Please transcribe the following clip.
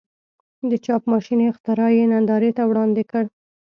د چاپ ماشین اختراع یې نندارې ته وړاندې کړه.